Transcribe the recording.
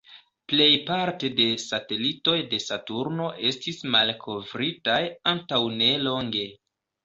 Plejparte de satelitoj de Saturno estis malkovritaj antaŭ nelonge.